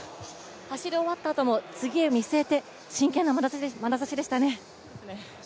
走り終わったあとも次へ見据えて、真剣なまなざしでしたね？